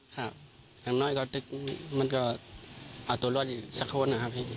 ครับเรนน่าจะเอาตัวรอดอีกสักคน